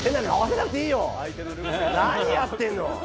何やってんの！